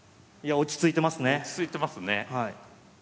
落ち着いてますね。